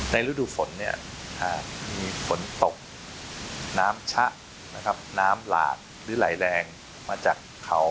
ฤดูฝนมีฝนตกน้ำชะนะครับน้ำหลากหรือไหลแรงมาจากเขา